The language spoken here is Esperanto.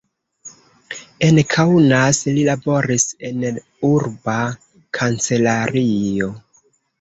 En Kaunas li laboris en urba kancelario.